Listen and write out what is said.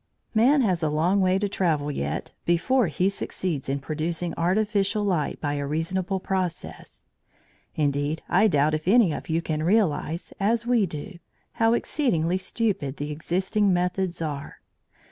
Man has a long way to travel yet before he succeeds in producing artificial light by a reasonable process. Indeed I doubt if any of you can realise, as we do, how exceedingly stupid the existing methods are.